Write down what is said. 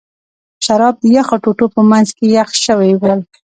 شراب د یخو ټوټو په منځ کې یخ شوي ول.